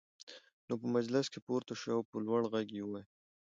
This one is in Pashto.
نو په مجلس کې پورته شو او په لوړ غږ يې وويل: